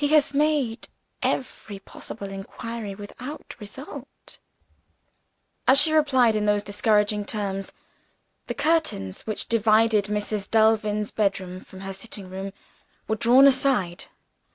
He has made every possible inquiry without result." As she replied in those discouraging terms, the curtains which divided Mrs. Delvin's bedroom from her sitting room were drawn aside.